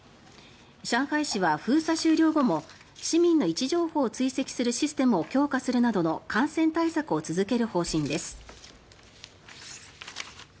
上海市は封鎖終了後も市民の位置情報を追跡するシステムを強化するなどの感染対策を続ける方針です。